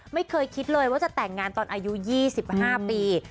ไม่เคยคิดเลยว่าจะแต่งงานตอนอายุ๒๕ปี